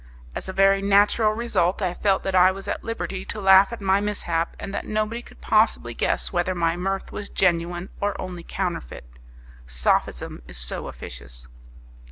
As a very natural result I felt that I was at liberty to laugh at my mishap, and that nobody could possibly guess whether my mirth was genuine or only counterfeit. Sophism is so officious!